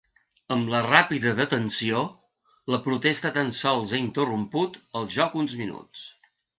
Amb la ràpida detenció, la protesta tan sols ha interromput el joc uns minuts.